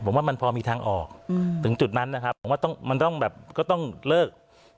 ผมว่ามันพอมีทางออกถึงจุดนั้นนะครับผมว่าต้องมันต้องแบบก็ต้องเลิก